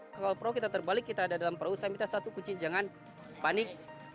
kalau perahu kita terbalik kita ada dalam perahu saya minta satu kucing jangan panik